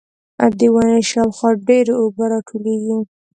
د ونې شاوخوا ډېرې اوبه راټولېږي.